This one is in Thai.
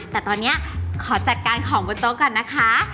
แต่ตอนนี้ขอจัดการของบนโต๊ะก่อนนะคะ